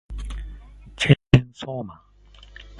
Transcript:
チェーンソーマン